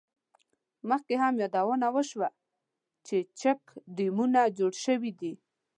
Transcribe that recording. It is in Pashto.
مخکې هم یادونه وشوه، چې چیک ډیمونه جوړ شوي دي.